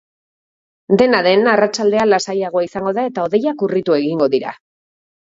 Dena den, arratsaldea lasaiagoa izango da eta hodeiak urritu egingo dira.